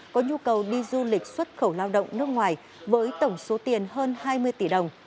có nhu cầu đi du lịch xuất khẩu lao động nước ngoài với tổng số tiền hơn hai mươi tỷ đồng